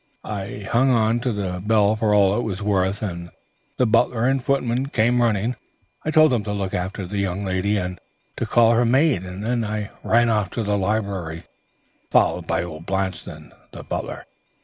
I hung on to the bell for all I was worth, and the butler and footmen came running. I told them to look after the young lady and to call her maid, and then I ran off to the library, followed by old Blanston, the butler.